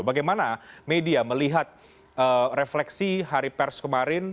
bagaimana media melihat refleksi hari pers kemarin